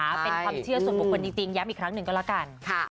เป็นความเชื่อส่วนบุคคลจริงย้ำอีกครั้งหนึ่งก็แล้วกัน